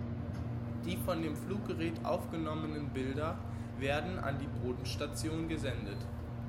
Die von dem Fluggerät aufgenommenen Bilder werden an die Bodenstation gesendet.